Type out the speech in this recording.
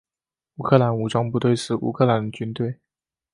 乌克兰武装部队是乌克兰的军队。